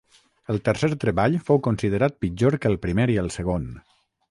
El tercer treball fou considerat pitjor que el primer i el segon.